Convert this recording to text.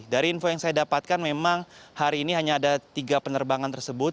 dari info yang saya dapatkan memang hari ini hanya ada tiga penerbangan tersebut